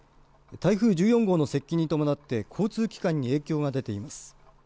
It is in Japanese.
台風１４号の接近に伴って交通機関に影響が出ています。